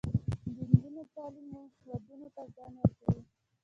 د نجونو تعلیم ودونو ته ځنډ ورکوي.